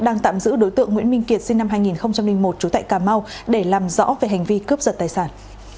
đang tạm giữ đối tượng nguyễn minh kiệt sinh năm hai nghìn một trú tại cà mau để làm rõ về hành vi cướp giật tài sản